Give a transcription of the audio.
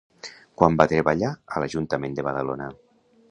Quan va treballar a l'Ajuntament de Badalona?